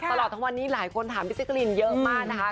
ตลอดทั้งวันนี้หลายคนถามพี่เจ๊กรีนเยอะมากนะคะ